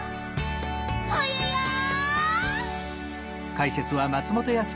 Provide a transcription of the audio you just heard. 「ぽよよん！」